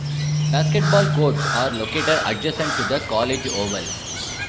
Basketball courts are located adjacent to the College Oval.